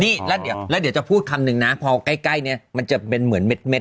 นี่แล้วเดี๋ยวจะพูดคำนึงนะพอใกล้เนี่ยมันจะเป็นเหมือนเม็ด